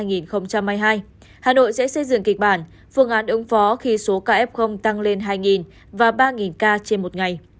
năm hai nghìn hai mươi hai hà nội sẽ xây dựng kịch bản phương án ứng phó khi số cao f tăng lên hai và ba ca trên một ngày